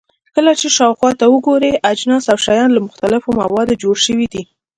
کله چې شاوخوا ته وګورئ، اجناس او شیان له مختلفو موادو جوړ شوي دي.